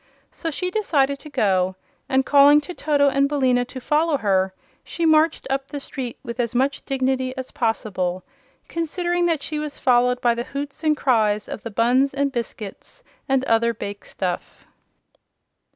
So she decided to go, and calling to Toto and Billina to follow her she marched up the street with as much dignity as possible, considering that she was followed by the hoots and cries of the buns and biscuits and other bake stuff.